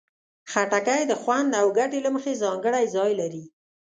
خټکی د خوند او ګټې له مخې ځانګړی ځای لري.